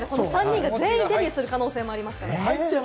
３人がデビューする可能性もありますか？